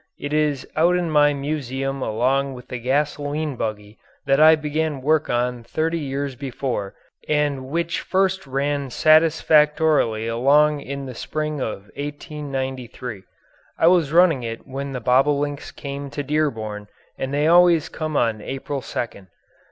It is out in my museum along with the gasoline buggy that I began work on thirty years before and which first ran satisfactorily along in the spring of 1893. I was running it when the bobolinks came to Dearborn and they always come on April 2nd.